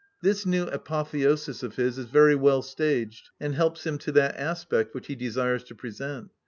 This new apotheosis of his is very well staged, and helps him to that aspect which he desires to present.